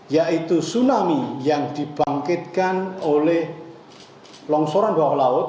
yaitu tsunami yang dibangkitkan oleh longsoran bawah laut